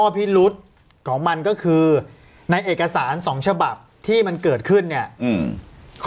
พิรุษของมันก็คือในเอกสารสองฉบับที่มันเกิดขึ้นเนี่ยอืม